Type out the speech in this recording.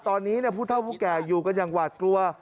ตอนนี้ผู้เท่าผู้แก่อยู่กันอย่างหวาดกลัว